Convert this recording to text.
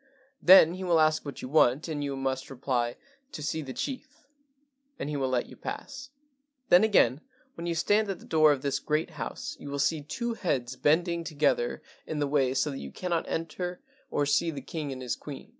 Then he will ask what you want, and you must reply, ' To see the chief,' and he will let you pass. "Then again when you stand at the door of the great house you will see two heads bending A VISIT TO THE KING OF GHOSTS 105 together in the way so that you cannot enter or see the king and his queen.